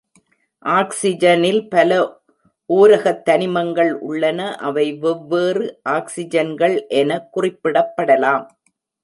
ஆக்ஸிஜனில் பல ஓரகத்தனிமங்கள் உள்ளன, அவை வெவ்வேறு ஆக்ஸிஜன்கள் என குறிப்பிடப்படலாம்.